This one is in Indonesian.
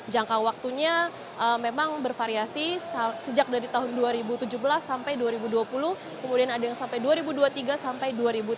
jangka waktunya memang bervariasi sejak dari tahun dua ribu tujuh belas sampai dua ribu dua puluh kemudian ada yang sampai dua ribu dua puluh tiga sampai dua ribu tiga puluh